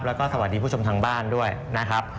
แล้วก็สวัสดีผู้ชมทางบ้านด้วยนะครับ